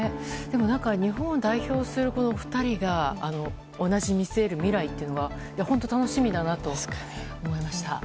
日本を代表する２人が同じ見据える未来は本当に楽しみだなと思いました。